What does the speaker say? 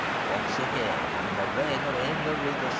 "Once again, in the reign of Henry VI.